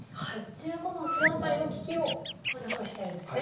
その辺りの利きをなくしてるんですね。